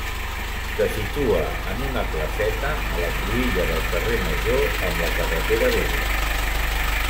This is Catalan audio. Se situa en una placeta a la cruïlla del carrer Major amb la carretera Vella.